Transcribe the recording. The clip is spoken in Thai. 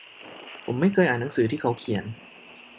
ผมไม่เคยอ่านหนังสือที่เขาเขียน